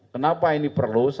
kenapa ini perlu